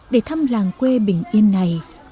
để thăm làng quê bình yên này